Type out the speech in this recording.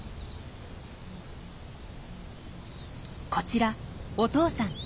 こちらお父さん。